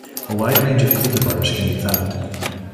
A wide range of cultivars can be found.